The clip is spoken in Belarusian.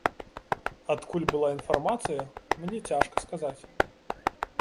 Адкуль была інфармацыя, мне цяжка сказаць.